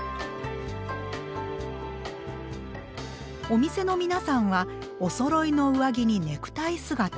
お店の皆さんはおそろいの上着にネクタイ姿。